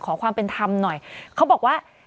ขอความเป็นธรรมหน่อยเขาบอกว่า